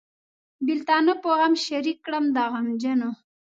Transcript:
بېلتانه په غم شریک کړم د غمجنو.